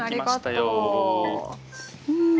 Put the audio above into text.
うん。